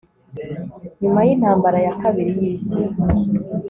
nyuma y'intambara ya kabiri y'isi